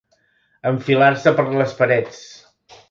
Enfilar-se per les parets.